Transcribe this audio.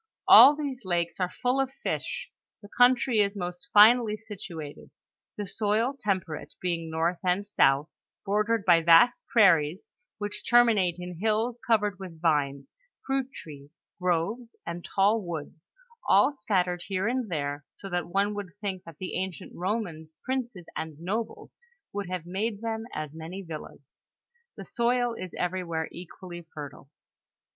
All these lakes are full of fish ; the country is most finely situated, the soil temperate, being north and south, bordered by vast prairies, which terminate in hills covered with vines, fruit trees, groves, and tall woods, all scattered here and there, so that one would think that the ancient Bomans, princes and nobles would have made them as many villas. The soil is everywhere equally fertile.